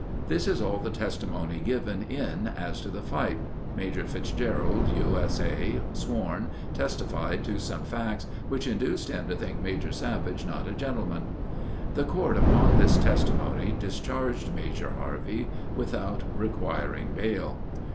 This is all the testimony given in as to the fight, Major Fitzgerald, U.S.A., sworn, testified to some facts which induced him to think Major Savage not a gentleman. The Court, upon this testimony, discharged Major Harvey without requiring bail.